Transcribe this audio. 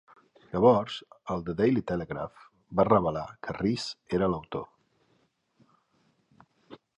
Llavors, el "The Daily Telegraph" va revelar que Rees era l'autor.